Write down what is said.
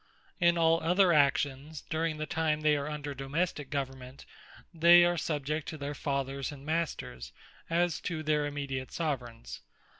In all other actions, during the time they are under domestique government, they are subject to their Fathers, and Masters, as to their immediate Soveraigns.